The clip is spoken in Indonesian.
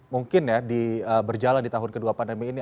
mungkin ya berjalan di tahun kedua pandemi ini